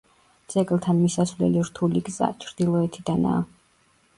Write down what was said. ძეგლთან მისასვლელი რთული გზა, ჩრდილოეთიდანაა.